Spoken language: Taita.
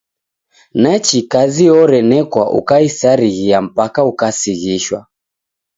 Nachi kazi orenekwa ukaisarighia mpaka ukasighishwa.